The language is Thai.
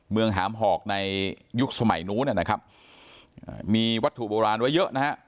หามหอกในยุคสมัยนู้นนะครับมีวัตถุโบราณไว้เยอะนะฮะ